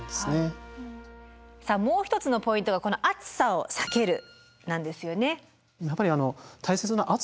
さあもう一つのポイントがこの暑さを避けるなんですよね。